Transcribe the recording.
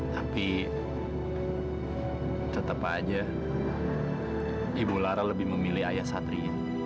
tapi tetep aja ibu lara lebih memilih ayah satri